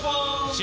新！